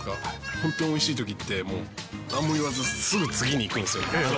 本当においしいときって、もうなんも言わず、すぐ次にいくんですよね。